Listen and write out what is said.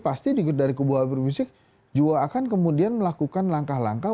pasti dari kb prizik juga akan kemudian melakukan langkah langkah